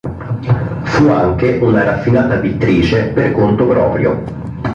Fu anche una raffinata pittrice per conto proprio.